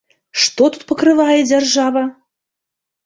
Што тут пакрывае дзяржава?